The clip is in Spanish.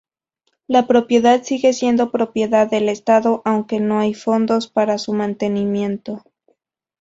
La propiedad sigue siendo propiedad del Estado, aunque no hay fondos para su mantenimiento.